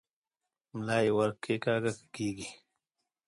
ملا یې ور کښېکاږه که کېږي؟